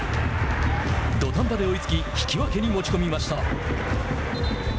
土壇場で追いつき引き分けに持ち込みました。